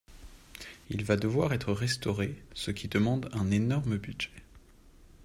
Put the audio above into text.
Il va devoir être restauré, ce qui demande un énorme budget.